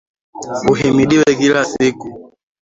Uhimidiwe kila siku.